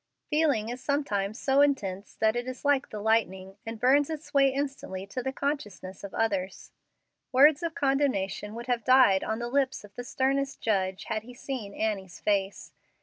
Feeling is sometimes so intense that it is like the lightning, and burns its way instantly to the consciousness of others. Words of condemnation would have died on the lips of the sternest judge had he seen Annie's face.